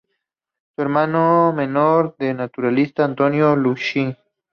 Hermano menor del naturalista Antonio Lussich.